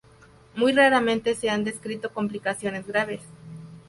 Muy raramente se han descrito complicaciones graves.